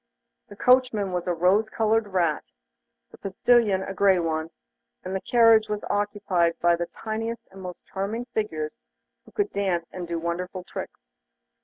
The coachman was a rose coloured rat, the postilion a grey one, and the carriage was occupied by the tiniest and most charming figures, who could dance and do wonderful tricks.